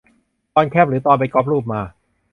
ตอนแคปหรือตอนไปก๊อปรูปมา